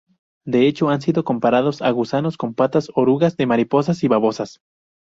De hecho, han sido comparados a gusanos con patas, orugas de mariposas y babosas.